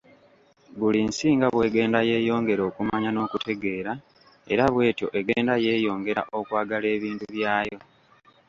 BULI nsi nga bw'egenda yeeyongera okumanya n'okutegeera, era bw'etyo egenda yeeyongera okwagala ebintu byayo.